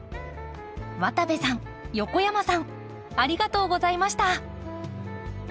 渡部さん横山さんありがとうございました。